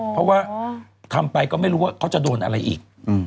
เพราะว่าทำไปก็ไม่รู้ว่าเขาจะโดนอะไรอีก